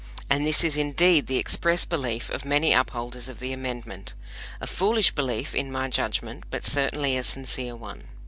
And this is indeed the express belief of many upholders of the Amendment a foolish belief, in my judgment, but certainly a sincere one.